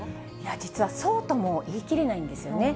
実は、そうとも言いきれないんですよね。